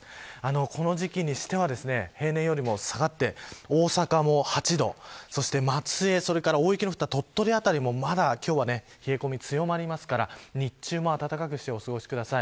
この時期にしては平年よりも下がって大阪も８度そして松江、それから大雪の降った鳥取もまだ今日は冷え込みが強まりますから日中も暖かくしてお過ごしください。